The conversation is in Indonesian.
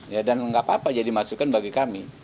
ya dan nggak apa apa jadi masukan bagi kami